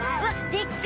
でっか！